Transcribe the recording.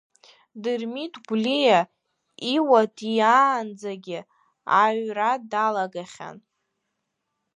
Дырмит Гәлиа, Иуа диаанӡагьы аҩра далагахьан.